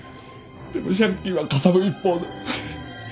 でも借金はかさむ一方で。